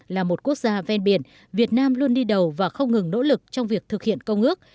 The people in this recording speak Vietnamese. là một quốc gia ven biển việt nam luôn đi đầu và không ngừng nỗ lực trong việc thực hiện công ước